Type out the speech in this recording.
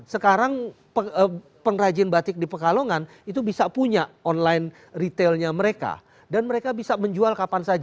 sekarang pengrajin batik di pekalongan itu bisa punya online retailnya mereka dan mereka bisa menjual kapan saja